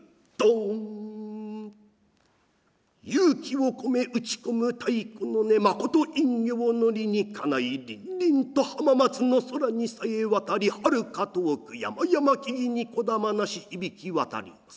勇気を込め打ち込む太鼓の音まこと陰陽の理にかないりんりんと浜松の空にさえ渡りはるか遠く山々木々にこだまなし響き渡ります。